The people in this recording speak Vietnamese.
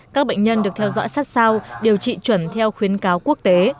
các bệnh nhân được theo dõi sát sao điều trị chuẩn theo khuyến cáo quốc tế